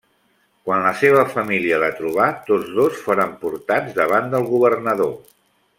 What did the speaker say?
Quan la seva família la trobà, tots dos foren portats davant del governador.